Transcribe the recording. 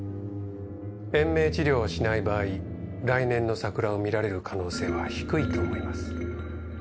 延命治療をしない場合来年の桜を見られる可能性は低いと思います。